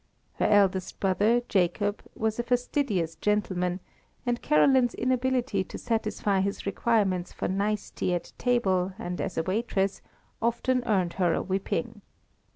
Her eldest brother, Jacob, was a fastidious gentleman, and Caroline's inability to satisfy his requirements for nicety at table and as a waitress, often earned her a whipping.